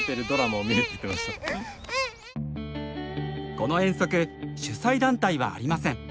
この遠足主催団体はありません。